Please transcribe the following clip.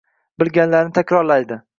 bilganlarini takrorlaydi.